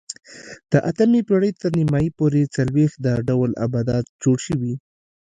د اتمې پېړۍ تر نیمایي پورې څلوېښت دا ډول آبدات جوړ شوي